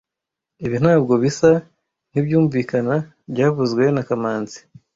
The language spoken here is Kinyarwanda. Ibi ntabwo bisa nkibyumvikana byavuzwe na kamanzi